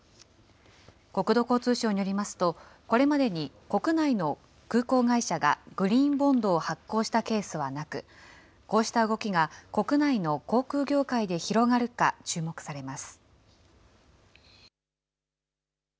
国土交通省によりますと、これまでに国内の空港会社がグリーンボンドを発行したケースはなく、こうした動きが国内の航空業界で広がるか、注目されます。